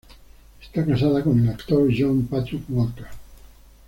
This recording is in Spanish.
Está casada con el actor Jon Patrick Walker.